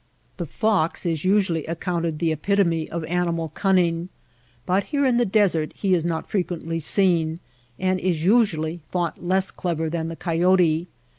The fox is usually accounted the epitome of animal cunning, but here in the desert he is not frequently seen and is usually thought less clever than the coyote.